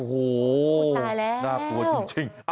โอ้โฮหน้าตัวจริงโอ้โฮตายแล้ว